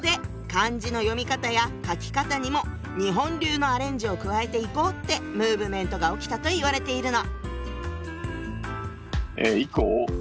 漢字の読み方や書き方にも日本流のアレンジを加えていこうってムーブメントが起きたといわれているの。